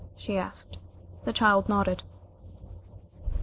she asked. The child nodded.